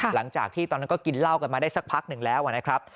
หลังจากที่ตอนนั้นก็กินเหล้ากันมาได้สักพักหนึ่งแล้วนะครับ